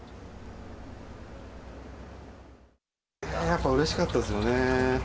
やっぱうれしかったですよね。